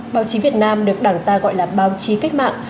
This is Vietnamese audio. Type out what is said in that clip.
báo chí việt nam được đảng ta gọi là báo chí cách mạng